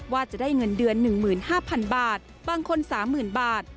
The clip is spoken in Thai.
ว่าจะได้เงินเดือน๑๕๐๐๐บาทบางคน๓๐๐๐บาท